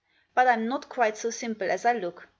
But I'm not quite so simple as I look.